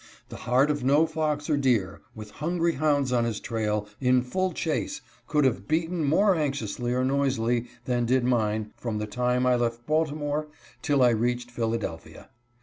The heart of no fox or deer, with hungry hounds on his trail, in full chase, could have beaten more anxiously or noisily than did mine from the time I left Baltimore till I reached Philadelphia.